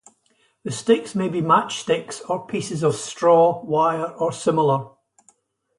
The sticks may be matchsticks, or pieces of straw, wire or similar.